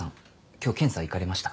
今日検査行かれましたか？